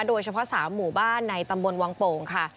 โดยเฉพาะ๓หมู่บ้านในตำบลวังโป่งค่ะ